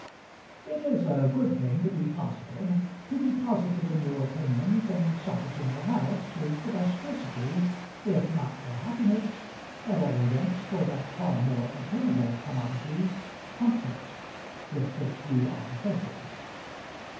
It is a good thing to be positive. To be positive in your opinions and selfish in your habits is the best recipe, if not for happiness, at all events for that far more attainable commodity, comfort, with which we are acquainted.